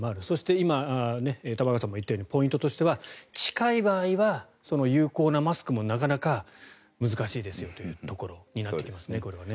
そして、今玉川さんも言ったようにポイントとしては近い場合は有効なマスクもなかなか難しいですよということになってきますね。